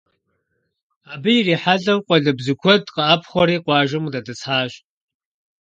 Абы ирихьэлӀэу къуалэбзу куэд къэӀэпхъуэри къуажэм къыдэтӀысхьащ.